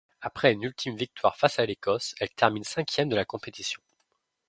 Après une ultime victoire face à l'Écosse, elle termine cinquième de la compétition.